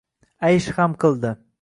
Aysh ham qildi